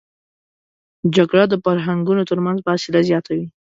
جګړه د فرهنګونو تر منځ فاصله زیاتوي